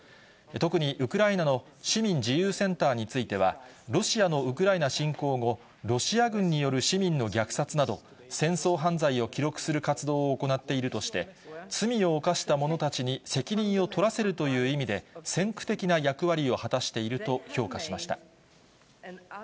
特にウクライナの市民自由センターについては、ロシアのウクライナ侵攻後、ロシア軍による市民の虐殺など、戦争犯罪を記録する活動を行っているとして、罪を犯した者たちに責任を取らせるという意味で、先駆的な役割を果たしていると評価しました。